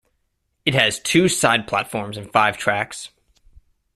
It has two side platforms and five tracks.